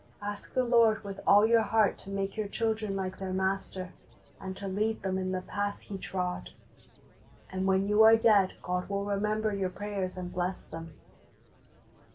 Ask the Lord with all your heart to make your children like their Master, and to lead them in the paths 84 HEART TALKS ON HOLINESS. He trod, and when you are dead God will remember your prayers and bless them.